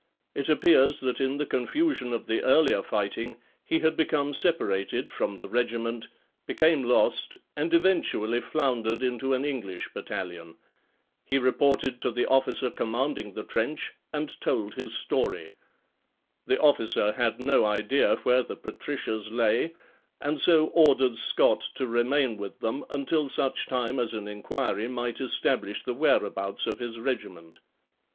It appears that in the confusion of the earlier fighting he had become separated from the regiment, became lost and eventually floundered into an English battalion. He reported to the officer commanding the trench and told his story. The officer had no idea where the Patricias lay and so ordered Scott to remain with them until such time as an inquiry might establish the whereabouts of his regiment.